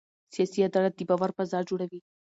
سیاسي عدالت د باور فضا جوړوي